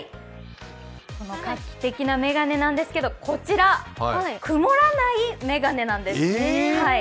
この画期的な眼鏡なんですけど曇らない眼鏡なんです。